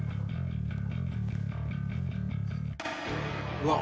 「うわっ！」